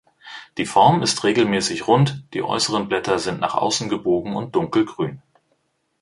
Die Form ist regelmäßig rund, die äußeren Blätter sind nach außen gebogen und dunkelgrün.